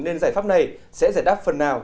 nên giải pháp này sẽ giải đáp phần nào